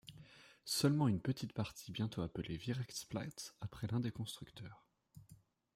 Seulement une petite partie, bientôt appelée Vierecksplatz après l'un des constructeurs.